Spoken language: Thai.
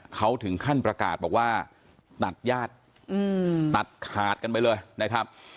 เขาถึงขั้นประกาศบอกว่าตัดญาติตัดขาดกันไปเลยนะครับ